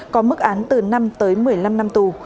có mức án từ năm tới một mươi năm năm tù